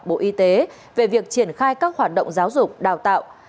bộ y tế về việc triển khai các hoạt động giáo dục đào tạo